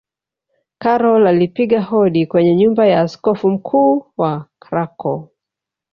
karol alipiga hodi kwenye nyumba ya askofu mkuu wa Krakow